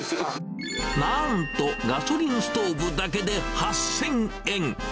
なんと、ガソリンストーブだけで８０００円。